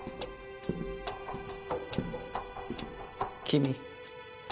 君。